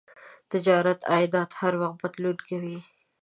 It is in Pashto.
تجارتي عایدات هر وخت بدلون کوي.